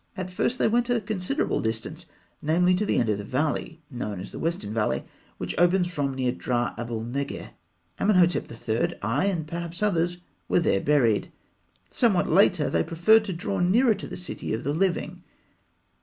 At first they went to a considerable distance, namely, to the end of the valley (known as the Western Valley), which opens from near Drah Abû'l Neggeh. Amenhotep III., Aï, and perhaps others, were there buried. Somewhat later, they preferred to draw nearer to the city of the living.